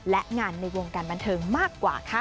และงานในวงการบันเทิงมากกว่าค่ะ